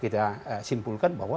kita simpulkan bahwa